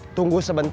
ah kok dapat